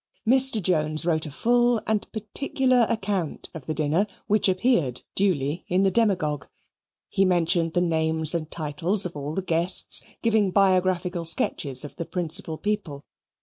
Mr. Jones wrote a full and particular account of the dinner, which appeared duly in the Demagogue. He mentioned the names and titles of all the guests, giving biographical sketches of the principal people.